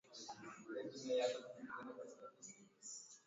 Amebadilisha uchungu wangu .